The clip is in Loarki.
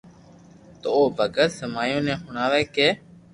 تو او ڀگت سمايو ني ھڻاوي ڪي